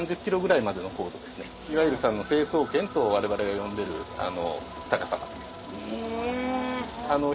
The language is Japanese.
いわゆる成層圏と我々が呼んでる高さまで。